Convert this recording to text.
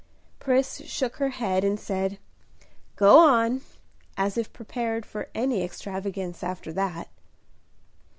Pris shook her head, and said, "Go on!" as if prepared for any extravagance after that.